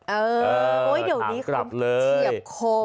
เออเดี๋ยวนี้เฉียบคม